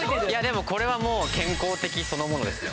でもこれはもう健康的そのものですよ。